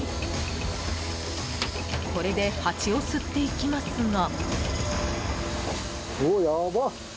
これでハチを吸っていきますが。